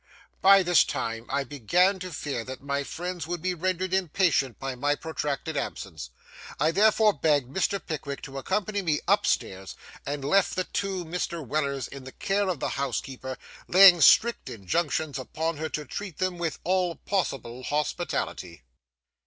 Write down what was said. By this time I began to fear that my friends would be rendered impatient by my protracted absence. I therefore begged Mr. Pickwick to accompany me up stairs, and left the two Mr. Wellers in the care of the housekeeper, laying strict injunctions upon her to treat them with all possible hospitality.